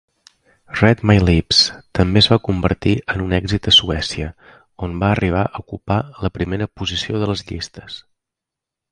"Read My Lips" també es va convertir en un èxit a Suècia, on va arribar a ocupar la primera posició de les llistes.